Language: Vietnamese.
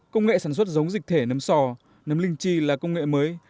công nghệ sản xuất giống dịch thể nấm sò nấm linh chi là công nghệ mới